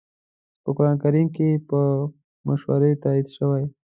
په قرآن کريم کې په مشورې تاکيد شوی.